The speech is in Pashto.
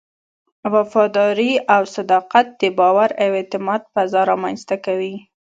وفاداري او صداقت د باور او اعتماد فضا رامنځته کوي.